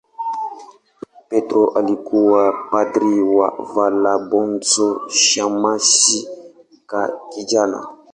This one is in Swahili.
Petro alikuwa padri na Valabonso shemasi kijana.